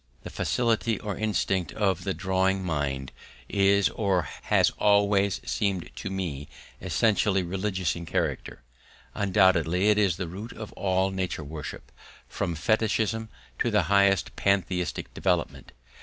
This faculty or instinct of the dawning mind is or has always seemed to me essentially religious in character; undoubtedly it is the root of all nature worship, from fetishism to the highest pantheistic development.